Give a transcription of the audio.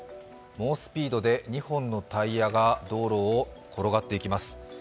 猛スピードで２本のタイヤが道路を転がっていきます。